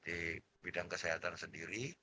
di bidang kesehatan sendiri